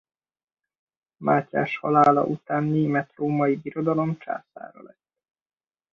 Mátyás halála után a Német-római Birodalom császára lett.